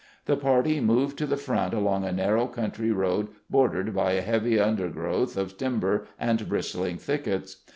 The party moved to the front along a narrow country road bordered by a heavy undergrowth of timber and bristling thickets.